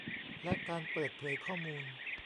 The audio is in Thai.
และการเปิดเผยข้อมูล